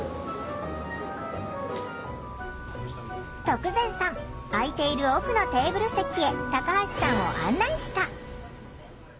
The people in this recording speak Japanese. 徳善さん空いている奥のテーブル席へタカハシさんを案内した。